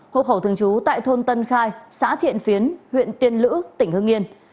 hộ khẩu thường trú tại thôn tân khai xã thiện phiến huyện tiên lữ tỉnh hương yên